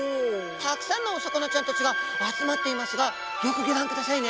たくさんのお魚ちゃんたちが集まっていますがよくギョ覧くださいね。